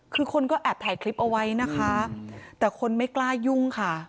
คือคนก็แอบถ่ายคลิปเอาไว้นะคะแต่คนไม่กล้ายุ่งค่ะ